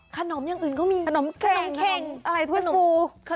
ขนมอย่างอื่นก็มีขนมแข็งขนมเครงอะไรทุยฟูนะครับ